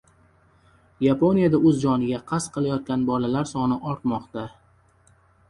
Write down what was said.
Yaponiyada o‘z joniga qasd qilayotgan bolalar soni ortmoqda